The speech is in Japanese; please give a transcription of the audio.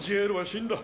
死んだ？